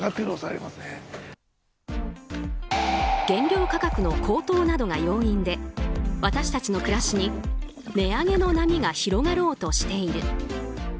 原料価格の高騰などが要因で私たちの暮らしに値上げの波が広がろうとしている。